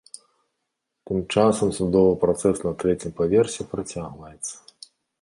Тым часам судовы працэс на трэцім паверсе працягваецца.